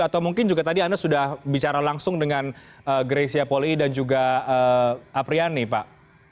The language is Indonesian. atau mungkin juga tadi anda sudah bicara langsung dengan grecia poli dan juga apriani pak